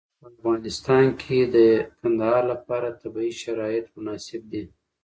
په افغانستان کې د کندهار لپاره طبیعي شرایط مناسب دي.